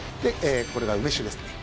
これが梅酒ですね